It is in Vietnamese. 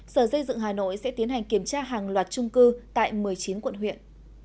sở xây dựng hà nội sẽ tiến hành kiểm tra hàng loạt trung cư tại một mươi chín quận huyện